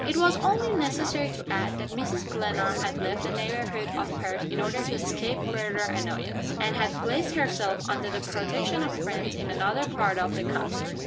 It was only necessary to add, that Mrs. Glenarm had left the neighborhood of Perth, in order to escape further annoyance; and had placed herself under the protection of friends in another part of the county.